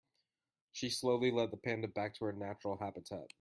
She slowly led the panda back to her natural habitat.